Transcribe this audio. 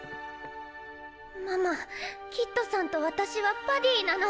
ママキッドさんと私はバディなの。